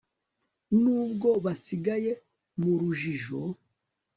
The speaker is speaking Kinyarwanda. nubwo basigaye mu rujijo